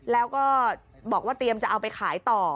แล้วก็บอกว่าเตรียมจะเอาไปขายต่อ